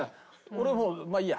俺もまあいいや。